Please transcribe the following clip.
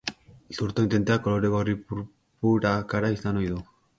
Zurtoin tenteak kolore gorri-purpurakara izan ohi du.